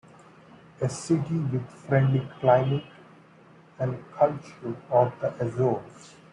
A city with friendly climate and culture of the Azores.